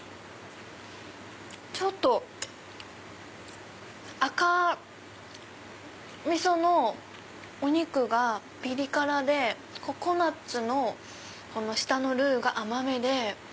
ちょっと赤味噌のお肉がピリ辛でココナツの下のルーが甘めで。